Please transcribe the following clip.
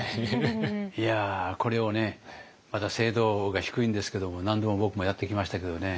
いやこれをねまだ精度が低いんですけども何度も僕もやってきましたけどね。